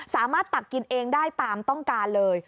ตักกินเองได้ตามต้องการเลย